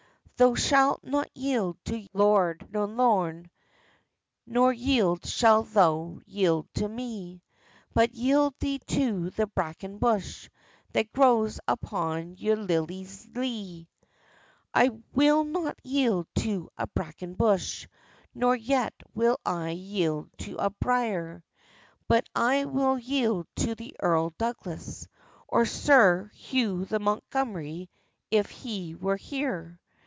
"Thou shalt not yield to lord nor loun, Nor yet shalt thou yield to me; But yield thee to the braken bush, That grows upon yon lilye lee!" "I will not yield to a braken bush, Nor yet will I yield to a brier; But I would yield to Earl Douglas, Or Sir Hugh the Montgomery, if he were here."